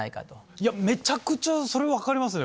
いやめちゃくちゃそれ分かりますね。